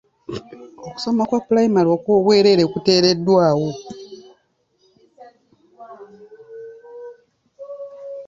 Okusoma kwa pulayimale okw'obwereere kuteereddwawo.